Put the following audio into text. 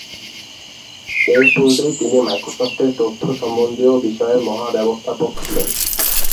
এর পূর্বে তিনি মাইক্রোসফটের তথ্য সম্বন্ধীয় বিষয়ের মহা-ব্যবস্থাপক ছিলেন।